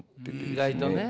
意外とね。